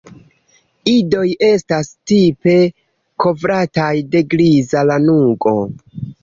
Idoj estas tipe kovrataj de griza lanugo.